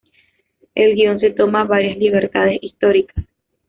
El guion se toma varias libertades históricas.